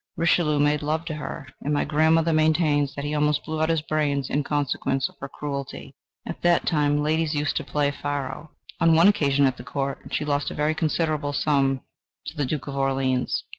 Richelieu made love to her, and my grandmother maintains that he almost blew out his brains in consequence of her cruelty. At that time ladies used to play at faro. On one occasion at the Court, she lost a very considerable sum to the Duke of Orleans.